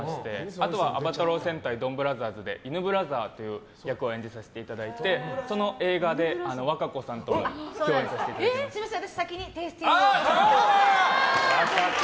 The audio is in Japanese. あとは「暴太郎戦隊ドンブラザーズ」でイヌブラザーという役をやらせていただいてその映画で和歌子さんとすみません